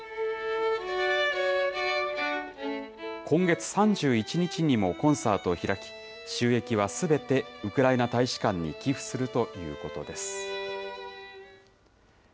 今月３１日にもコンサートを開き、収益はすべてウクライナ大使館に寄付するということです。